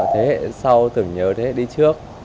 thế hệ sau tưởng nhớ thế hệ đi trước